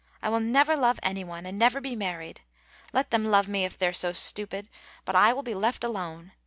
I will never love any one, and never be married. Let them love me if they are so stupid, but I will be left alone.